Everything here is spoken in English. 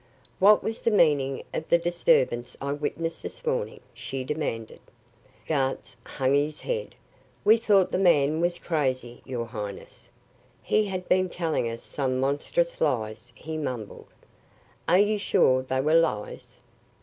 "What was the meaning of the disturbance I witnessed this morning?" she demanded. Gartz hung his head. "We thought the man was crazy, your highness. He had been telling us such monstrous lies," he mumbled. "Are you sure they were lies?"